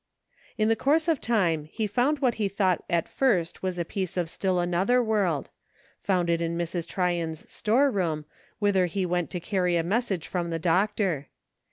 In the course of time he found what he thought at first was a piece of still another world ; found it in Mrs. Tryon's store room whither he went to carry a message from the doctor.